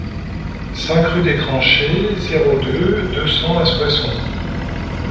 cinq rue des Tranchées, zéro deux, deux cents à Soissons